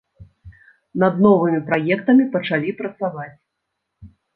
Над новымі праектамі пачалі працаваць.